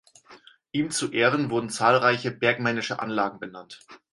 Ihm zu Ehren wurden zahlreiche bergmännische Anlagen benannt.